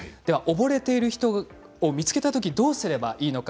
溺れている人を見つけたときどうすればいいのか。